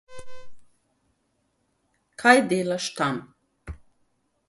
Kaj delaš tam?